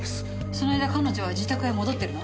その間彼女は自宅へ戻ってるの？